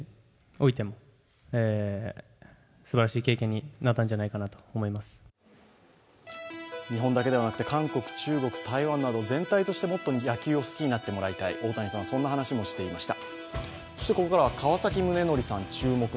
先ほど行われた会見で大谷選手は日本だけでなくて韓国、中国、台湾など全体としてもっと野球を好きになってもらいたい大谷さんはそんな話もしていました。